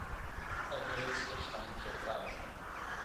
A milícia está infiltrada.